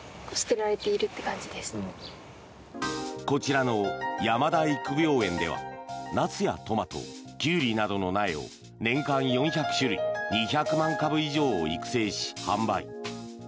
こちらの山田育苗園ではナスやトマトキュウリなどの苗を年間４００種類２００万株以上を育成し、販売。